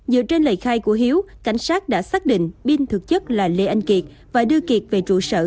dựa trên lời khai của hiếu cảnh sát đã xác định binh thực chất là lê anh kiệt và đưa kiệt về trụ sở